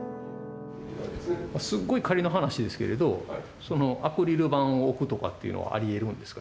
すっごい仮の話ですけれどアクリル板を置くとかっていうのはありえるんですか？